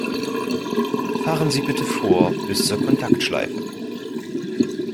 Fahren Sie bitte vor bis zur Kontaktschleife!